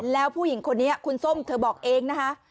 แล้วผู้หญิงคนนี้คุณส้มเธอบอกเองนะคะ